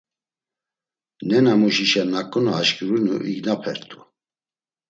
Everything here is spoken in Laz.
Nenamuşişa naǩu na aşǩurinu ignapert̆u.